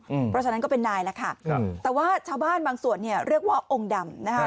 เพราะฉะนั้นก็เป็นนายแล้วค่ะครับแต่ว่าชาวบ้านบางส่วนเนี่ยเรียกว่าองค์ดำนะคะ